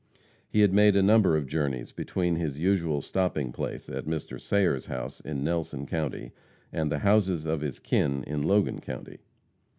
He had made a number of journeys between his usual stopping place at Mr. Sayers' house in Nelson county, and the houses of his kin in Logan county.